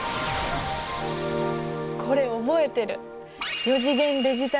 これ覚えてる。